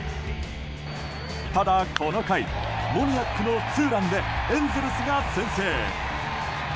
ただ、この回モニアックのツーランでエンゼルスが先制。